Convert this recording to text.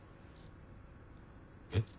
えっ？